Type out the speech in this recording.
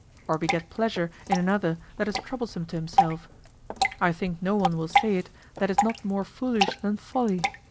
Or beget pleasure in another that is troublesome to himself? I think no one will say it that is not more foolish than Folly.